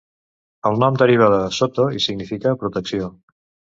El nom deriva de Sotho i significa "protecció".